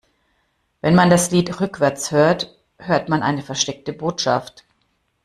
Wenn man das Lied rückwärts hört, hört man eine versteckte Botschaft.